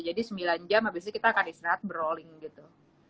jadi sembilan jam abis itu kita akan disenat beroling gitu